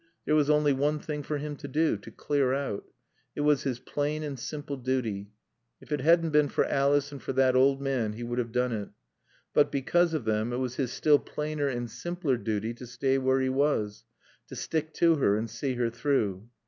There was only one thing for him to do to clear out. It was his plain and simple duty. If it hadn't been for Alice and for that old man he would have done it. But, because of them, it was his still plainer and simpler duty to stay where he was, to stick to her and see her through.